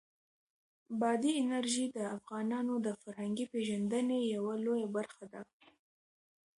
بادي انرژي د افغانانو د فرهنګي پیژندنې یوه لویه برخه ده.